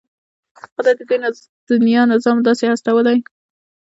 خدای د دې دنيا نظام داسې هستولی.